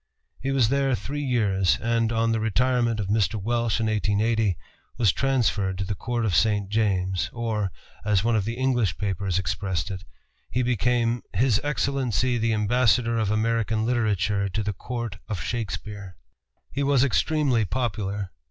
He was there three years, and, on the retirement of Mr. Welsh in 1880, was transferred to the Court of St. James, or, as one of the English papers expressed it, he became "His Excellency the Ambassador of American Literature to the Court of Shakespeare." He was extremely popular.